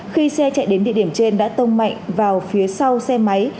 khi xe chạy đến địa điểm trên đã tông mạnh vào phía sau xe máy